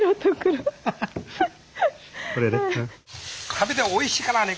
食べておいしいからね